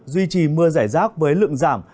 duy trì mưa giải rác với lượng giảm